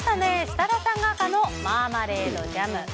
設楽さんが赤のマーマレードジャム。